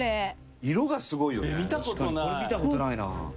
これ見た事ないな。